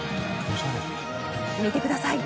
見てください。